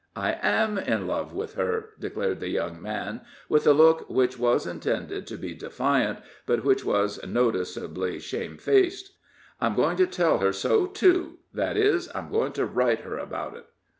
"I am in love with her," declared the young man, with a look which was intended to be defiant, but which was noticeably shamedfaced. "I'm going to tell her so, too that is, I'm going to write her about it."